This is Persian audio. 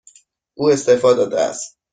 او استعفا داده است.